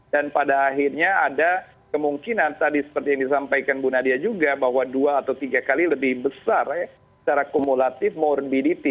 pada akhirnya ada kemungkinan tadi seperti yang disampaikan bu nadia juga bahwa dua atau tiga kali lebih besar secara kumulatif morbidity